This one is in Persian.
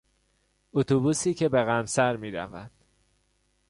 اتوبوسی که به قمصر میرود